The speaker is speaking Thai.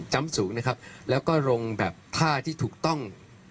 สูงนะครับแล้วก็ลงแบบท่าที่ถูกต้อง